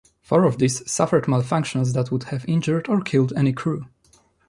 Four of these suffered malfunctions that would have injured or killed any crew.